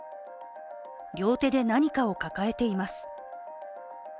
両手で何かを抱えています。